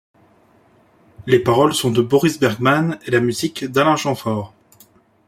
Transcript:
Les paroles sont de Boris Bergman et la musique d'Alain Chamfort.